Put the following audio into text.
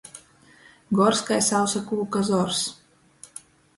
Gors kai sausa kūka zors.